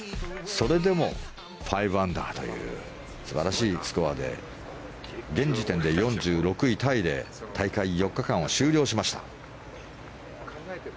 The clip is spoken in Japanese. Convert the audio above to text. それでも５アンダーという素晴らしいスコアで現時点で４６位タイで大会４日間を終了しました。